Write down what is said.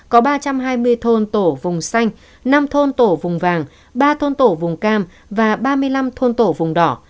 có ba trăm hai mươi thôn tổ vùng xanh năm thôn tổ vùng vàng ba thôn tổ vùng cam và ba mươi năm thôn tổ vùng đỏ